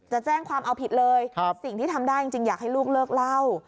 จะแจ้งความเอาผิดเลยสิ่งที่ทำได้จริงอยากให้ลูกเลิกเล่า